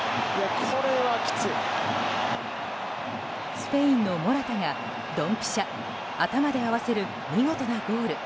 スペインのモラタがドンピシャ、頭で合わせる見事なゴール。